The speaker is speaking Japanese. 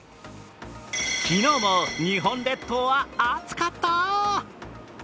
昨日も日本列島は暑かった！